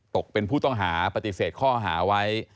ตกเป็นผู้ต้องหาปฏิเสธข้อหาไว้